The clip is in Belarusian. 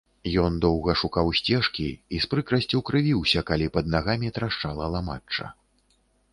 Ён доўга шукаў сцежкі і з прыкрасцю крывіўся, калі пад нагамі трашчала ламачча.